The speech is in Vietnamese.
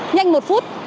nhanh một phút